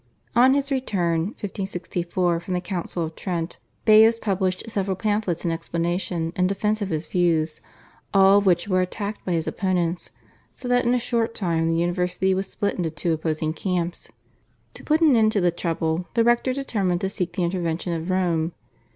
On his return (1564) from the Council of Trent Baius published several pamphlets in explanation and defence of his views, all of which were attacked by his opponents, so that in a short time the university was split into two opposing camps. To put an end to the trouble the rector determined to seek the intervention of Rome.